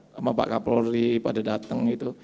sama pak kapolri pada datang gitu